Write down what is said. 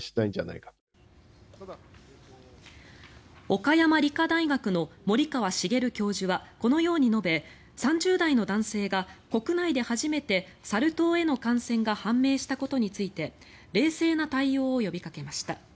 岡山理科大学の森川茂教授はこのように述べ、３０代の男性が国内で初めてサル痘への感染が判明したことについて冷静な対応を呼びかけました。